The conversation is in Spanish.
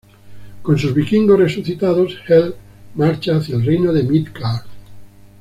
Con sus vikingos resucitados, Hel marcha hacia el reino de Midgard.